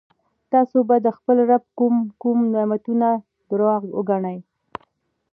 تاسو به د خپل رب کوم کوم نعمتونه درواغ وګڼئ.